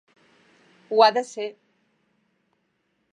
Ho ha de ser.